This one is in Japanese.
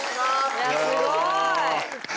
いやすごい！